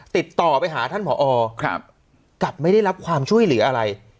ติดต่อไปหาท่านผอกลับไม่ได้รับความช่วยเหลืออะไร